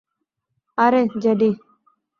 আরে, জেডি!